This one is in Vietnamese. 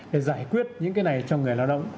để giải quyết những cái này cho người lao động